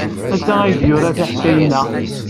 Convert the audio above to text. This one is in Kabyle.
Anta ay d-yuran tiḥkayin-a?